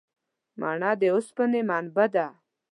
مڼه د اوسپنې منبع ده.